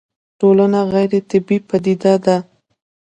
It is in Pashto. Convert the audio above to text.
ټولنه غيري طبيعي پديده ده